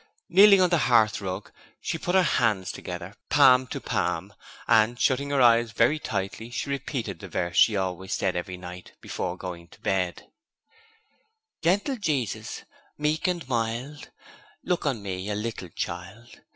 Kneeling on the hearthrug, she put her hands together, palm to palm, and shutting her eyes very tightly she repeated the verse she always said every night before going to bed: 'Gentle Jesus, meek and mild, Look on me, a little child.